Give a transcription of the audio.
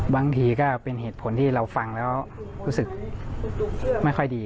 บางทีก็เป็นเหตุผลที่เราฟังแล้วรู้สึกไม่ค่อยดี